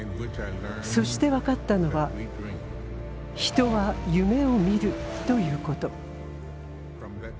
そして分かったのは人は夢を見るということ。